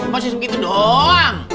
masih begitu dong